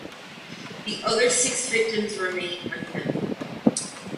The other six victims remain unknown.